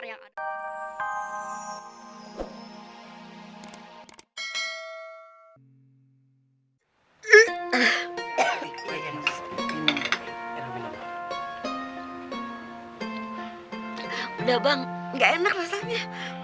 udah bang gak enak rasanya